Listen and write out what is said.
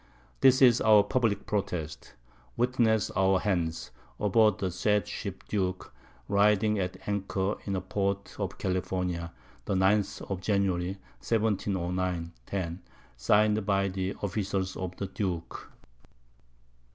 This is our publick Protest. Witness our Hands, aboard the said Ship_ Duke, riding at Anchor in a Port of California, the 9th of January, 1709 10. Sign'd by the Officers of the Duke.